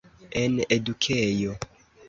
En edukejo.